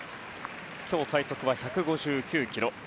今日最速は１５９キロ。